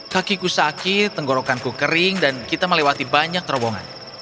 kakiku sakit tenggorokanku kering dan kita melewati banyak terowongan